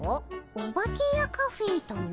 オバケやカフェとな。